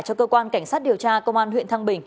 cho cơ quan cảnh sát điều tra công an huyện thăng bình